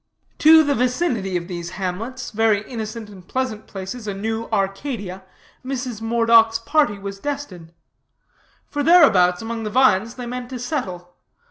To the vicinity of those hamlets, very innocent and pleasant places, a new Arcadia, Mrs. Moredock's party was destined; for thereabouts, among the vines, they meant to settle.